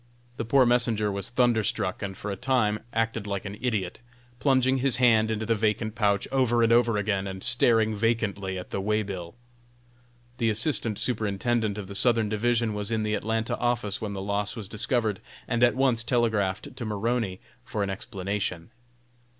The poor messenger was thunder struck, and for a time acted like an idiot, plunging his hand into the vacant pouch over and over again, and staring vacantly at the way bill. The Assistant Superintendent of the Southern Division was in the Atlanta office when the loss was discovered, and at once telegraphed to Maroney for an explanation.